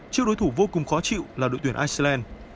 chiếc đối thủ vô cùng khó chịu là đội tuyển iceland